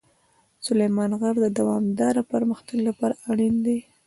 سلیمان غر د دوامداره پرمختګ لپاره اړین دی.